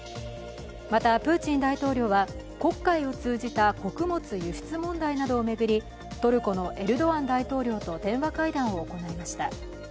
また、プーチン大統領は、黒海を通じた穀物輸出問題などを巡り、トルコのエルドアン大統領と電話会談を行いました。